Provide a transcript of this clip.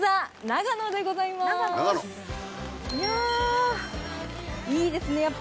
いやいいですね